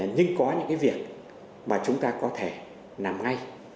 nhưng có những cái việc mà chúng ta có thể làm ngay